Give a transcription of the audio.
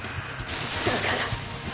だから！！